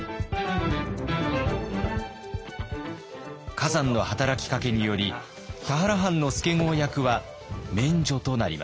崋山の働きかけにより田原藩の助郷役は免除となりました。